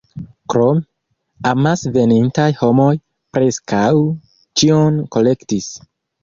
Krome, amase venintaj homoj preskaŭ ĉion kolektis.